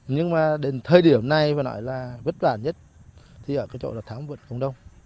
nhưng mà đến thời điểm này và nói là vất vả nhất thì ở cái chỗ là thám vượt công đông